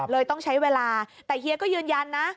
ต้องใช้เวลาแต่เฮียก็ยืนยันนะ